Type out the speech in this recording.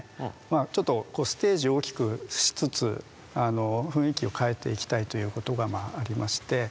ちょっとステージを大きくしつつ雰囲気を変えていきたいということがありまして。